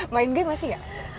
main game masih nggak